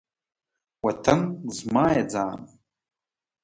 وطن زما یی ځان